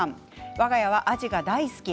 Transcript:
わが家はアジが大好き。